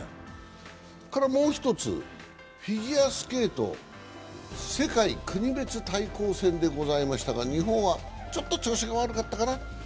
もう一つ、フィギュアスケート世界国別対抗戦でございましたが日本はちょっと調子が悪かったかな。